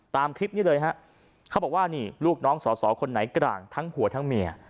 ตามคลิปนี้เลยฮะเขาบอกว่านี่ลูกน้องสอสอคนไหนกลางทั้งผัวทั้งเมีย